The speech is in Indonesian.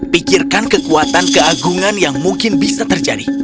pikirkan kekuatan keagungan yang mungkin bisa terjadi